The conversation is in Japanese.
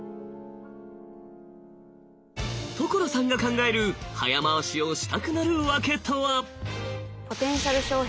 所さんが考える「早回しをしたくなるワケ」とは。